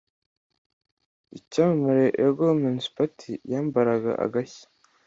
icyamamare 'ego women's party' yambaraga agashya